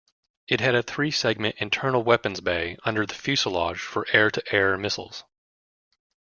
It had a three-segment internal weapons bay under the fuselage for air-to-air missiles.